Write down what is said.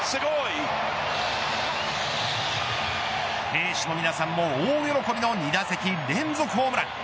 兵士の皆さんも大喜びの２打席連続ホームラン。